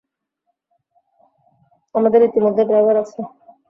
আমাদের ইতোমধ্যে ড্রাইভার আছে।